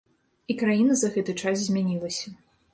І краіна за гэты час змянілася.